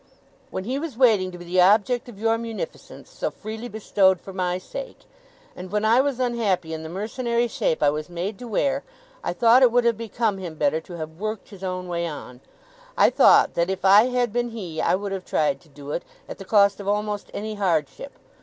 'When he was waiting to be the object of your munificence, so freely bestowed for my sake, and when I was unhappy in the mercenary shape I was made to wear, I thought it would have become him better to have worked his own way on. I thought that if I had been he, I would have tried to do it, at the cost of almost any hardship.